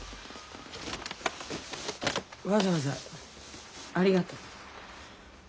わざわざありがとう。